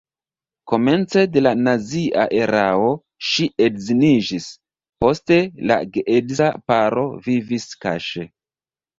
Komence de la nazia erao ŝi edziniĝis, poste la geedza paro vivis kaŝe.